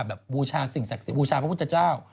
สิ่งศักดิ์ศิรรยะนำบูชาเพราะพุทธเจ้า